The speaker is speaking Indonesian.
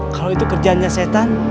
kalau itu kerjaannya setan